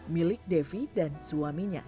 milik devi dan suaminya